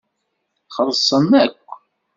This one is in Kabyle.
Xellṣen akk.